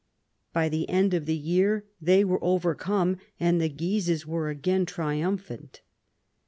By the end of the year they were overcome, and the Guises were again triumphant.